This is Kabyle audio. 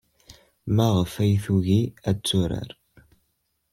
Maɣef ay tugi ad turar?